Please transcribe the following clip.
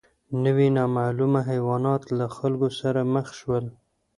نوي نامعلومه حیوانات له خلکو سره مخ شول.